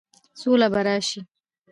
سوله به راشي؟